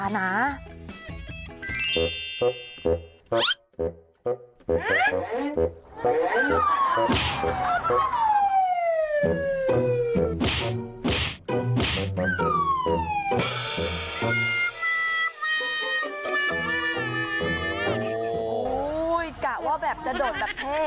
ฮู้กะว่าแบบจะโดดแล้วแบบแฮ่